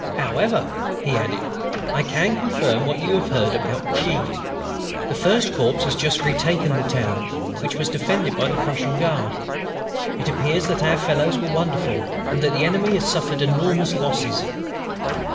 "However," he added, "I can confirm what you have heard about G. The First Corps has just retaken the town, which was defended by the Prussian Guard. It appears that our fellows were wonderful, and that the enemy has suffered enormous losses.